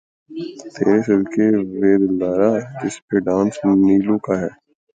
''تیرے صدقے وے دلدارا‘‘ جس پہ ڈانس نیلو کا ہے۔